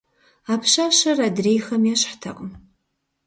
А пщащэр адрейхэм ещхьтэкъым.